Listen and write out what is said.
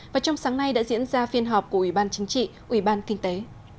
và trong sáng nay đã diễn ra phiên họp của ủy ban chính trị ủy ban kinh tế